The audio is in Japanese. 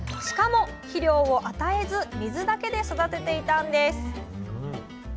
しかも肥料を与えず水だけで育てていたんです。